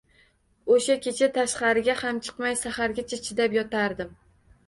O’sha kech tashqariga ham chiqmay, sahargacha chidab yotardim…